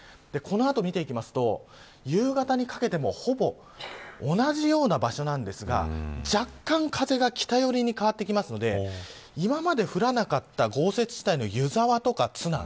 この後、見ていくと夕方にかけてもほぼ同じような場所なんですが若干風が北寄りに変わってくるので今まで降らなかった豪雪地帯の湯沢とか津南